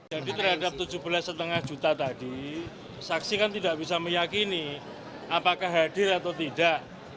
terhadap tujuh belas lima juta tadi saksi kan tidak bisa meyakini apakah hadir atau tidak